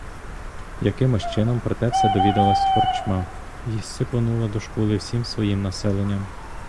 Якимось чином про те все довідалася корчма й сипонула до школи всім своїм населенням.